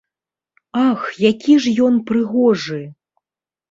Ах, які ж ён прыгожы!